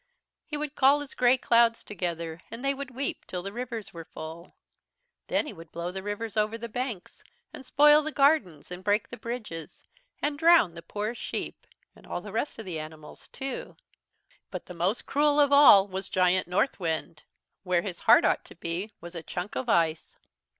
He would call his grey clouds together and they would weep till the rivers were full. Then he would blow the rivers over the banks, and spoil the gardens, and break the bridges, and drown the poor sheep, and all the rest of the animals too. "But the most cruel of all was Giant Northwind. Where his heart ought to be was a chunk of ice.